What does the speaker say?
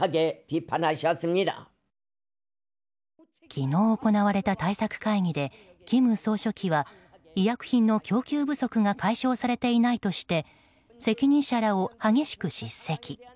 昨日行われた対策会議で金総書記は医薬品の供給不足が解消されていないとして責任者らを激しく叱責。